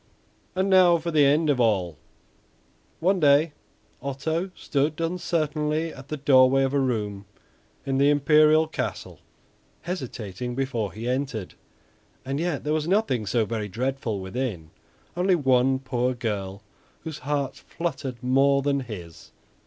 And now for the end of all. One day Otto stood uncertainly at the doorway of a room in the imperial castle, hesitating before he entered; and yet there was nothing so very dreadful within, only one poor girl whose heart fluttered more than his.